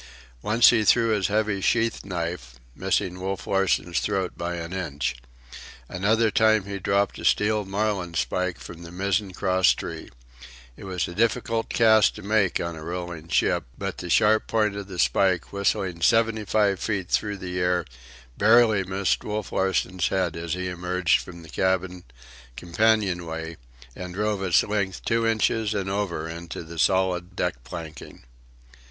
Once he threw his heavy sheath knife, missing Wolf Larsen's throat by an inch. Another time he dropped a steel marlinspike from the mizzen crosstree. It was a difficult cast to make on a rolling ship, but the sharp point of the spike, whistling seventy five feet through the air, barely missed Wolf Larsen's head as he emerged from the cabin companion way and drove its length two inches and over into the solid deck planking.